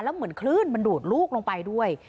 แล้วเหมือนคลื่นมันดูดลูกลงไปด้วย